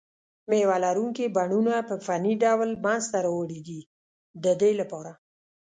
مېوه لرونکي بڼونه په فني ډول منځته راوړي دي د دې لپاره.